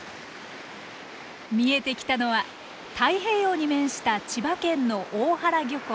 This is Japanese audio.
見えてきたのは太平洋に面した千葉県の大原漁港。